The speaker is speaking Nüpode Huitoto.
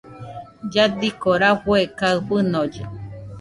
Lladiko rafue kaɨ fɨnolle.